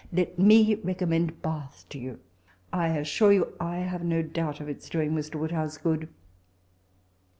Let me recommend Bath to you. I assure you I have no doubt of its doing Mr. Woodhouse good.